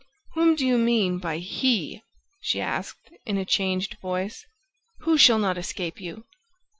"Whom do you mean by 'he'?" she asked, in a changed voice. "Who shall not escape you?"